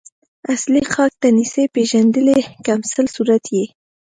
اصل خلک ته نسی پیژندلی کمسل صورت یی